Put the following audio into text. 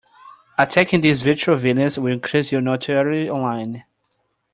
Attacking these virtual villains will increase your notoriety online.